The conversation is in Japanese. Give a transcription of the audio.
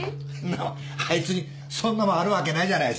あいつにそんなもんあるわけないじゃないっすか。